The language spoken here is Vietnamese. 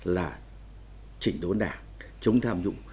là chỉnh đốn đảng chống tham dụng